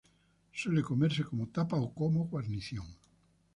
Suelen comerse como tapa o como guarnición.